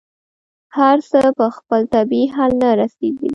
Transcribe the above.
هر څه به خپل طبعي حل ته رسېدل.